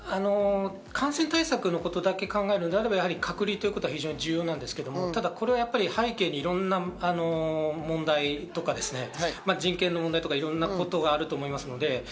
感染対策のことだけ考えるならば隔離ということは非常に重要ですけど、これは背景にいろんな問題とか、人権の問題とかいろんなことがあると思いますので。